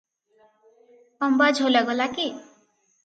ଅମ୍ବାଝୋଲା ଗଲା କି?